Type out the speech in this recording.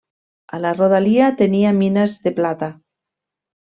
A la rodalia tenia mines de plata.